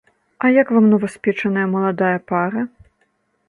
А як вам новаспечаная маладая пара?